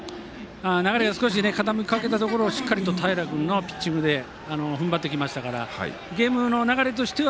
流れが傾きかけたところをしっかりと平君のピッチングでふんばってきましたからゲームの流れとしては